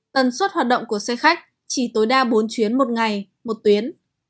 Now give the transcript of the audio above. tần suất hoạt động của xe khách chỉ tối đa bốn chuyến một ngày một tuyến